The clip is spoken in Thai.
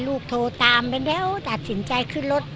โทรตามไปแล้วตัดสินใจขึ้นรถ